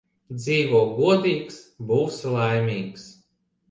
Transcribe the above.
Dzīvo godīgs – būsi laimīgs